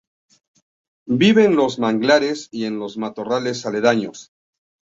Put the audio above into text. Vive en los manglares y en los matorrales aledaños.